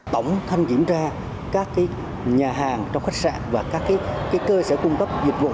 tổng thanh kiểm tra các nhà hàng trong khách sạn và các cơ sở cung cấp dịch vụ